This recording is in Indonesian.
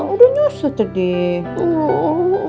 udah nyusut deh